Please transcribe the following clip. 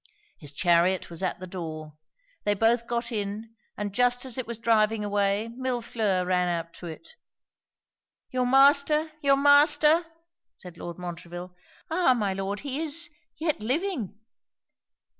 His chariot was at the door. They both got in, and just as it was driving away, Millefleur ran up to it. 'Your master? your master? ' said Lord Montreville. 'Ah! my Lord, he is yet living!'